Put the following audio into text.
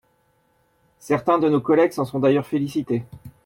Certains de nos collègues s’en sont d’ailleurs félicités.